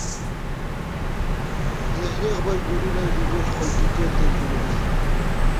ذهني غبرګونونه زموږ خوندیتوب تضمینوي.